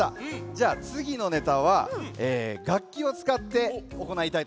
じゃあつぎのネタはがっきをつかっておこないたいとおもいます。